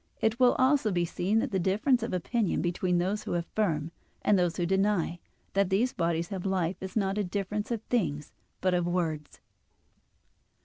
It will also be seen that the difference of opinion between those who affirm, and those who deny, that these bodies have life, is not a difference of things but of words.